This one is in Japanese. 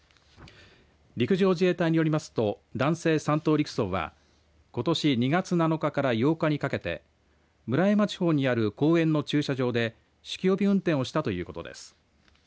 陸上自衛隊によりますと男性３等陸曹はことし２月７日から８日にかけて村山地方にある公園の駐車場で酒気帯び運転をしたということです。